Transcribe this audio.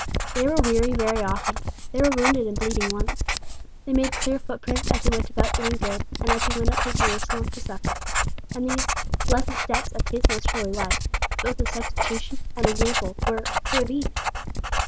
They were weary very often, they were wounded and bleeding once. They made clear footprints as He went about doing good, and as He went up to Jerusalem to suffer; and these 'blessed steps of His most holy life,' both as substitution and example, were 'for thee.'